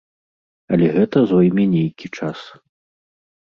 Але гэта зойме нейкі час.